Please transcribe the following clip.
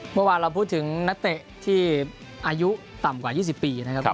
เมื่อวานเราพูดถึงนักเตะที่อายุต่ำกว่า๒๐ปีนะครับ